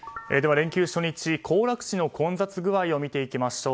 連休初日、行楽地の混雑具合を見てみましょう。